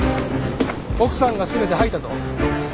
奥さんが全て吐いたぞ。